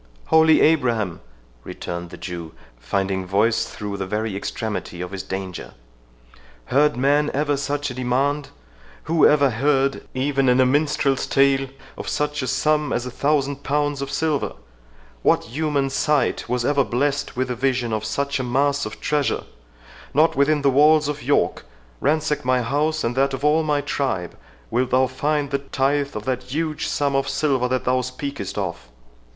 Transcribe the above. "Holy Abraham!" returned the Jew, finding voice through the very extremity of his danger, "heard man ever such a demand?—Who ever heard, even in a minstrel's tale, of such a sum as a thousand pounds of silver?—What human sight was ever blessed with the vision of such a mass of treasure?—Not within the walls of York, ransack my house and that of all my tribe, wilt thou find the tithe of that huge sum of silver that thou speakest of."